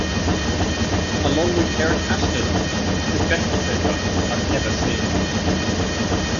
Along with Eric Ashton the best centre I've ever seen.